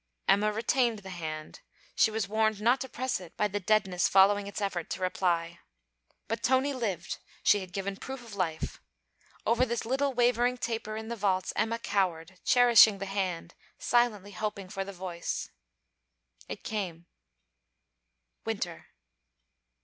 Emma retained the hand. She was warned not to press it by the deadness following its effort to reply. But Tony lived; she had given proof of life. Over this little wavering taper in the vaults Emma cowered, cherishing the hand, silently hoping for the voice. It came: 'Winter.'